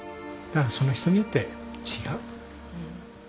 その人によって違う。